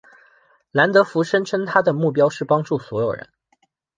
兰德福声称他的目标是帮助所有人。